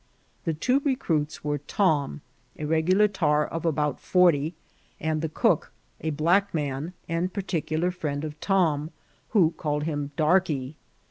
The two recruits were Tom, a regular tar of about forty, and the cook, a black man, and particular friend of Tom, who called him Darkey.